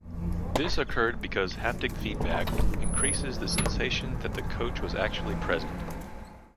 This occurred because haptic feedback increases the sensation that the coach was actually present.